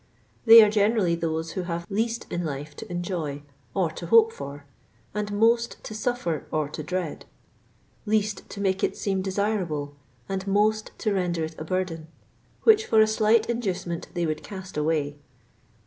They are generally those who have least in life to enjoy or to hope for, and most to suffer or to dread ; least to make it seem desirable, and most to render it a burden, which for a slight inducement they would cast away.